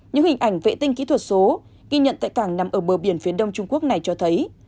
những hình ảnh vệ tinh kỹ thuật số ghi nhận tại cảng nằm ở bờ biển phía đông trung quốc này cho thấy